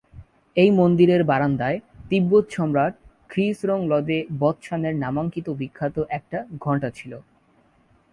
এই মন্দিরের বারান্দায় তিব্বত সম্রাট খ্রি-স্রোং-ল্দে-ব্ত্সানের নামাঙ্কিত বিখ্যাত একটি ঘণ্টা ছিল।